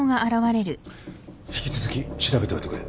引き続き調べておいてくれ。